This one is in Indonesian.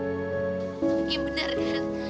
apa ini bener kan